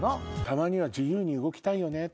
「たまには自由に動きたいよね」。